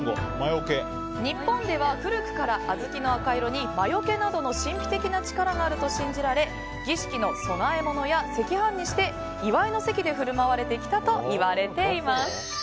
日本では古くから、小豆の赤色に魔除けなどの神秘的な力があると信じられ儀式の供え物や赤飯にして祝いの席で振る舞われてきたといわれています。